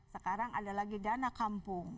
sekarang ada lagi dana kampung